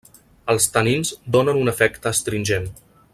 Els tanins donen un efecte astringent.